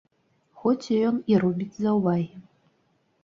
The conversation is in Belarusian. Хоць ён і робіць заўвагі.